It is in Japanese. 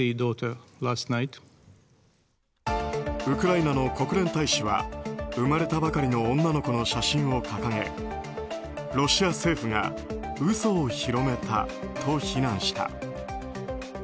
ウクライナの国連大使は生まれたばかりの女の子の写真を掲げロシア政府が嘘を広めたと非難した。